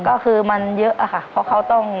ก็คือมันเยอะอะค่ะเพราะเขาต้อง